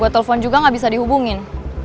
gue telpon juga gak bisa dihubungin